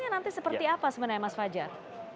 nanti seperti apa sebenarnya mas fajar